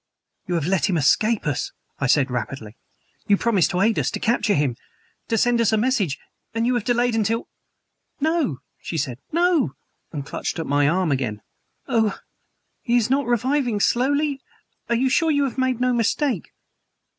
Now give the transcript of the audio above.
"You have let him escape us!" I said rapidly. "You promised to aid us to capture him to send us a message and you have delayed until " "No," she said; "no!" and clutched at my arm again. "Oh! is he not reviving slowly? Are you sure you have made no mistake?"